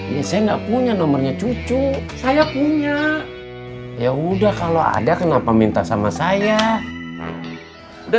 ya saya enggak punya nomornya cucu saya punya ya udah kalau ada kenapa minta sama saya udah